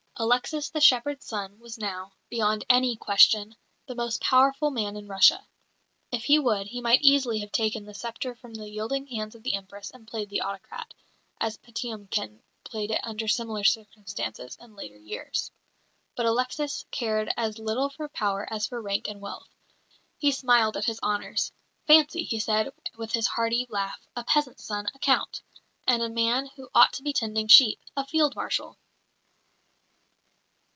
Alexis, the shepherd's son, was now, beyond any question, the most powerful man in Russia. If he would, he might easily have taken the sceptre from the yielding hands of the Empress and played the autocrat, as Patiomkin played it under similar circumstances in later years. But Alexis cared as little for power as for rank and wealth. He smiled at his honours. "Fancy," he said, with his hearty laugh, "a peasant's son, a Count; and a man who ought to be tending sheep, a Field Marshal!"